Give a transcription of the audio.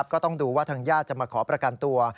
ก็ต้องดูว่าทางญาติจะมาขอประกันตัว